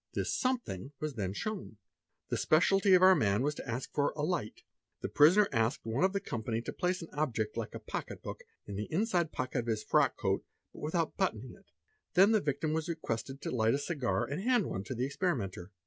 This "something" was then shown. The speciality of our man as to ask for "a light." The prisoner asked one of the company to place an object like a pocket book in the inside pocket of his frock coat out without buttoning it; then the victim was requested to light a cigar 1 hand one to the experimenter.